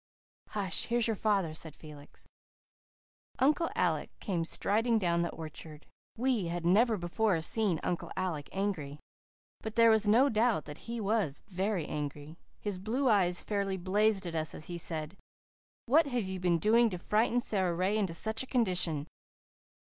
"Hush, here's your father," said Felix. Uncle Alec came striding down the orchard. We had never before seen Uncle Alec angry. But there was no doubt that he was very angry. His blue eyes fairly blazed at us as he said, "What have you been doing to frighten Sara Ray into such a condition?"